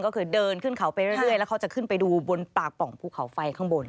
ก็คือเดินขึ้นเขาไปเรื่อยแล้วเขาจะขึ้นไปดูบนปากป่องภูเขาไฟข้างบน